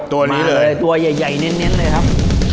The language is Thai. ตัวนี้เลยมาเลยตัวใหญ่ใหญ่เน้นเน้นเลยครับ